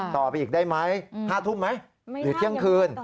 ต่อไปอีกได้ไหม๕ทุ่มไหมหรือเที่ยงคืน